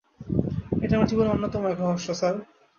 এটা আমার জীবনের অন্যতম এক রহস্য, স্যার।